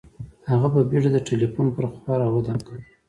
هغه په بېړه د ټلیفون پر خوا را ودانګل